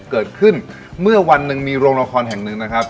เกิดขึ้นเมื่อวันหนึ่งมีโรงละครแห่งหนึ่งนะครับ